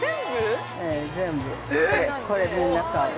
これみんな買う。